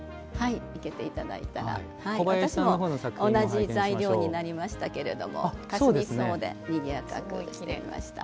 私も同じ材料になりましたけれどかすみ草でにぎやかにしてみました。